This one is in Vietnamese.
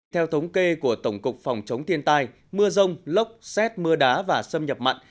theo thống kê của tổng cục phòng chống thiên tai mưa rông lốc xét mưa đá và xâm nhập mặn